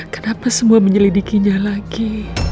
kenapa semua menyelidikinya lagi